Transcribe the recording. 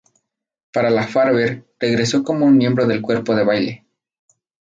Para la Farber regresó pero como miembro del cuerpo de baile.